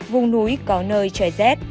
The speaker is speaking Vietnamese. vùng núi có nơi trời rét